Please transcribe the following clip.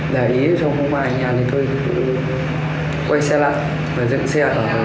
để ý xong không có ai ở nhà thì tôi quay xe lại